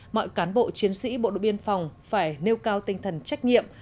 mọi cán bộ chiến sĩ bộ đội biên phòng phải nêu cao tinh thần trách nhiệm